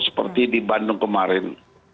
seperti di bandung kemarin